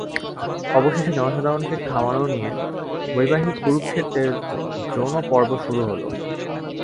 অবশেষে জনসাধারণকে খাওয়ানো নিয়ে বৈবাহিক কুরুক্ষেত্রের দ্রোণপর্ব শুরু হল।